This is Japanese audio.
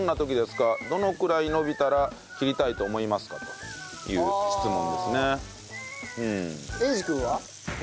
どのくらい伸びたら切りたいと思いますか？という質問ですね。